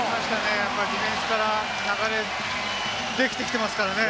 ディフェンスから流れ、できてきていますからね。